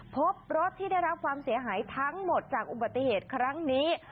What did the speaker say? พบรถที่ได้รับความเสียหายทั้งหมดจากอุบัติเหตุครั้งนี้